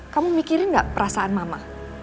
kamu mikirin nggak perasaan mama